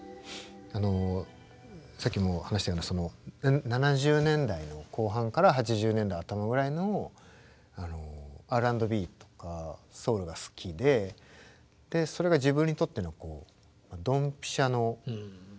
あのさっきも話したような７０年代の後半から８０年代頭ぐらいのＲ＆Ｂとかソウルが好きでそれが自分にとってのドンピシャのキュンなんですね。